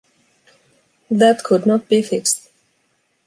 That could not be fixed.